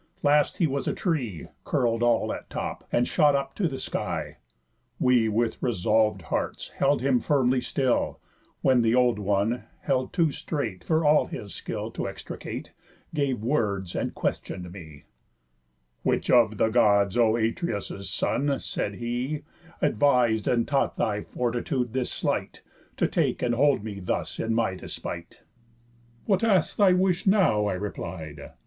Last he was a tree, Curl'd all at top, and shot up to the sky. We, with resolv'd hearts, held him firmly still, When th' old one (held too strait for all his skill To extricate) gave words, and question'd me: 'Which of the Gods, O Atreus' son,' said he, 'Advis'd and taught thy fortitude this sleight, To take and hold me thus in my despite?' 'What asks thy wish now?' I replied.